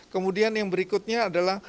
kemudian yang berikutnya adalah